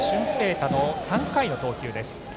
大の３回の投球です。